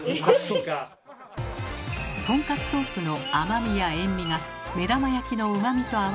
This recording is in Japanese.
豚カツソースの甘みや塩味が目玉焼きのうまみと合わさり